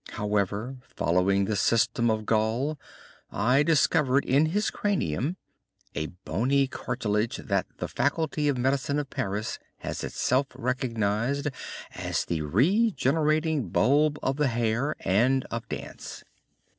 However, following the system of Gall, I discovered in his cranium a bony cartilage that the Faculty of Medicine of Paris has itself recognized as the regenerating bulb of the hair, and of dance.